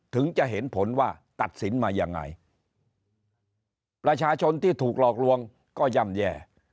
ถึงจะเห็นผลว่าตัดสินมายังไงประชาชนที่ถูกหลอกลวงก็ย่ำแย่